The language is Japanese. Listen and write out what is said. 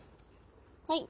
はい。